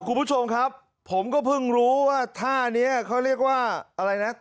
คุณผู้ชมครับผมก็เพิ่งรู้ว่าท่านี้เขาเรียกว่าอะไรนะ